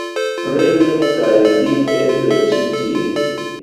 Prenu kaj vi eble ĉi tie